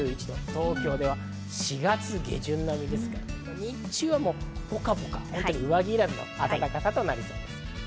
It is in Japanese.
東京では４月下旬並みですから、日中はもうポカポカ、上着いらずな暖かさとなりそうです。